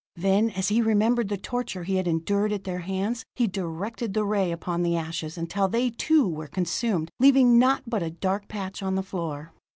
Then, as he remembered the torture he had endured at their hands, he directed the ray upon the ashes, until they, too, were consumed, leaving naught but a dark patch on the floor.